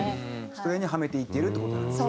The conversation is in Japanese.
それにはめていってるって事なんですね。